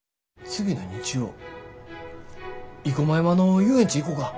次の日曜生駒山の遊園地行こか。